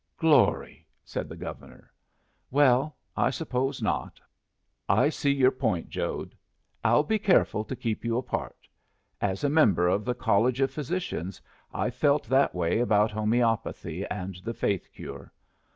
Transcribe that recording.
"Glory!" said the Governor. "Well, I suppose not. I see your point, Jode. I'll be careful to keep you apart. As a member of the College of Physicians I've felt that way about homeopathy and the faith cure.